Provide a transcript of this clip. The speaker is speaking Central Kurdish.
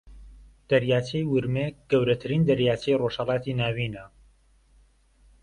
دەریاچەی ورمێ گەورەترین دەریاچەی ڕۆژھەڵاتی ناوینە